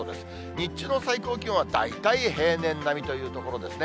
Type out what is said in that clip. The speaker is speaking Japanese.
日中の最高気温は大体平年並みというところですね。